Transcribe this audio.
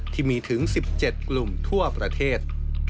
ที่มีถึง๑๗กลุ่มทั่วประเทศ